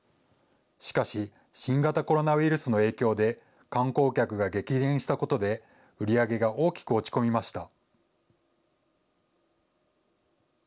しかし、新型コロナウイルスの影響で、観光客が激減したことで、売り上げが大きく落ち込みました。